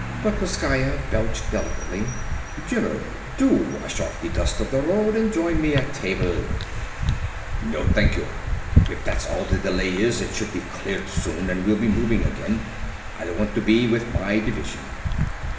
Plekoskaya belched delicately. "General, do wash off the dust of the road and join me at table." "No thank you. If that's all the delay is, it should be cleared soon and we'll be moving again. I'll want to be with my division."